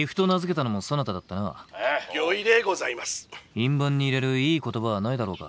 印判に入れるいい言葉はないだろうか？